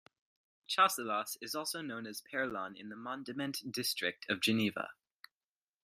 Chasselas is also known as "Perlan" in the Mandement district of Geneva.